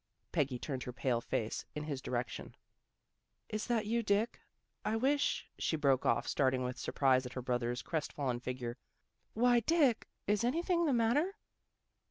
Peggy turned her pale face in his di rection. " Is that you, Dick? I wish " She broke off, staring with surprise at her brother's crest fallen figure. " Why, Dick? Is anything the matter?